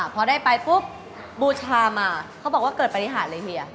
พอได้ไปปุ๊บบูชามาเขาบอกว่าเกิดปฏิหารเลยเฮีย